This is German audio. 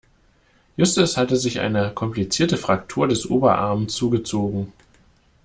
Justus hatte sich eine komplizierte Fraktur des Oberarm zugezogen.